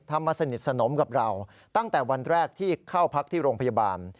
มาสนิทสนมกับเราตั้งแต่วันแรกที่เข้าพักที่โรงพยาบาล